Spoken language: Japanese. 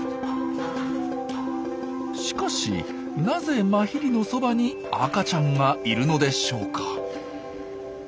しかしなぜマヒリのそばに赤ちゃんがいるのでしょうか？